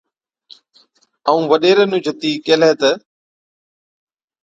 ائُون وڏيري نُون جتِي ڪيهلَي تہ،